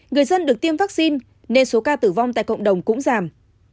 người dân được tiêm vaccine nên số ca tử vong tại cộng đồng cũng giảm